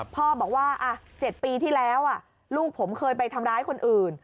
พ่อบอกว่า๗ปีที่แล้วลูกผมเคยไปทำร้ายคนอื่น